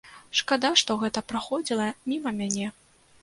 Шкада, што гэта праходзіла міма мяне.